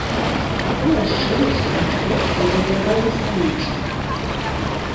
Пакой расшырыўся ў люстэрку і выглядаў бесканечным.